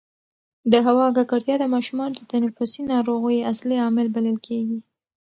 د هوا ککړتیا د ماشومانو د تنفسي ناروغیو اصلي عامل بلل کېږي.